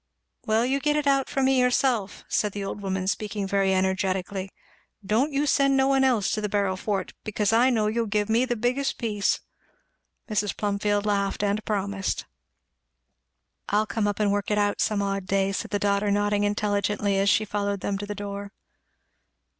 "Well you get it out for me yourself," said the old woman speaking very energetically, "don't you send no one else to the barrel for't; because I know you'll give me the biggest piece." Mrs. Plumfield laughed and promised. "I'll come up and work it out some odd day," said the daughter nodding intelligently as she followed them to the door.